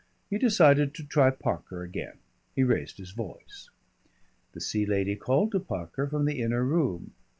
He decided to try Parker again; he raised his voice. The Sea Lady called to Parker from the inner room.